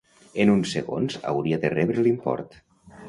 En uns segons hauria de rebre l'import.